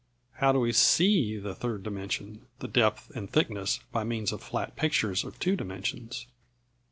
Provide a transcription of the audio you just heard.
How do we see the third dimension, the depth and thickness, by means of flat pictures of two dimensions?